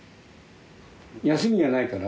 休みがないから？